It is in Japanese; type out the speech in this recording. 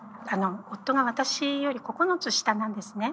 夫が私より９つ下なんですね。